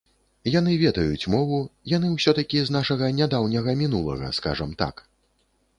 Яны ведаюць мову, яны ўсё-такі з нашага нядаўняга мінулага, скажам так.